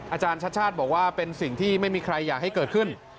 อาจารย์ชัดชาติบอกว่าเป็นสิ่งที่ไม่มีใครอยากให้เกิดขึ้น